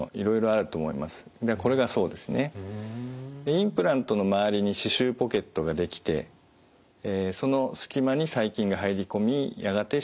インプラントの周りに歯周ポケットが出来てそのすき間に細菌が入り込みやがて歯石がつきます。